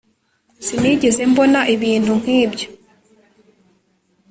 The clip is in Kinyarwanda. Sinigeze mbona ibintu nkibyo